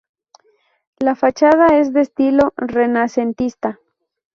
La fachada es de estilo renacentista.